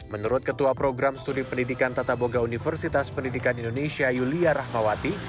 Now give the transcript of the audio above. menurut ketua program studi pendidikan tata boga universitas pendidikan indonesia yulia rahmawati